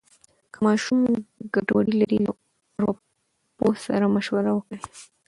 که ماشوم ګډوډي لري، له ارواپوه سره مشوره وکړئ.